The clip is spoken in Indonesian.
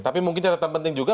tapi mungkin catatan penting juga